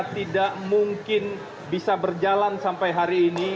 tidak mungkin bisa berjalan sampai hari ini